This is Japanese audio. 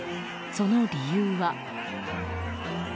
その理由は。